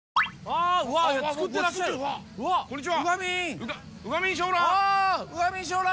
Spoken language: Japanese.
あっこんにちは。